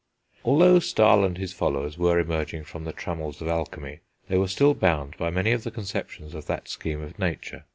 Although Stahl and his followers were emerging from the trammels of alchemy, they were still bound by many of the conceptions of that scheme of nature.